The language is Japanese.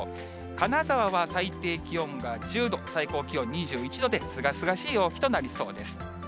金沢は最低気温が１０度、最高気温２１度で、すがすがしい陽気となりそうです。